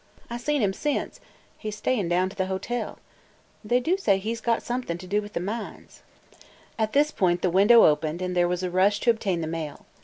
I seen him since; he 's staying down to the hotel. They do say he 's got somethin' ter do with the mines." At this point the window opened and there was a rush to obtain the mail.